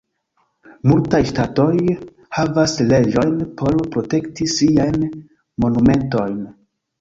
Multaj ŝtatoj havas leĝojn por protekti siajn monumentojn.